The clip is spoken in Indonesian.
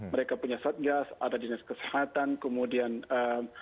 mereka punya satgas ada dinas kesehatan kemudian ee